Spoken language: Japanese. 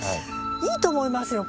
いいと思いますよ